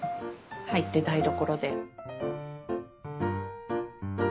入って台所で。